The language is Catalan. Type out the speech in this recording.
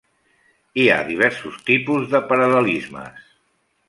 Hi ha diversos tipus de paral·lelismes.